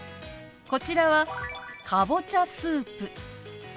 こちらは「かぼちゃスープ」。